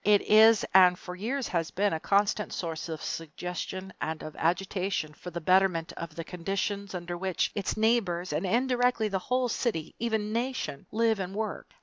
It is and for years has been a constant source of suggestion and of agitation for the betterment of the conditions under which its neighbors and indirectly the whole city, even nation live and work.